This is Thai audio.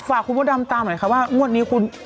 ฝากคุณพระดำตามหน่อยค่ะว่างวดนี้คุณ